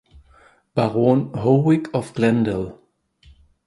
Baron Howick of Glendale.